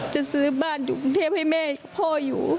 จะซื้อบ้านอยู่กรุงเทพให้แม่พ่ออยู่